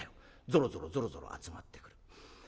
ぞろぞろぞろぞろ集まってくる。